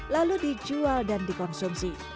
lalu dijual dan dikonsumsi